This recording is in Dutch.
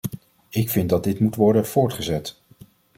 Ik vind dat dit moet worden voortgezet.